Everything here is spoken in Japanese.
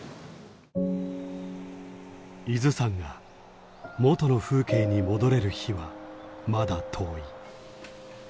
伊豆山が元の風景に戻れる日はまだ遠い。